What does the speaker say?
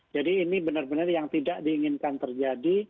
jadi ini benar benar yang tidak diinginkan terjadi